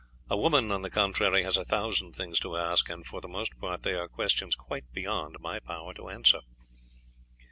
A woman, on the contrary, has a thousand things to ask, and for the most part they are questions quite beyond my power to answer."